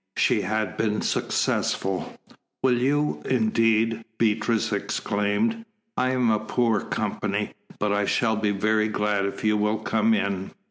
She had been successful. "Will you, indeed?" Beatrice exclaimed. "I am poor company, but I shall be very glad if you will come in."